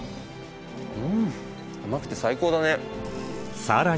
うん甘くて最高だね。